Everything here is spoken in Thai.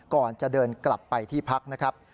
ก่อนจะเดินกลับไปที่พักนะครับ